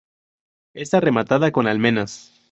Está rematada con almenas.